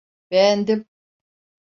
Beğendim.